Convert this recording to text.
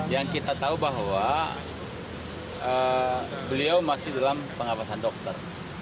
yang kita tahu bahwa beliau masih dalam pengawasan dokter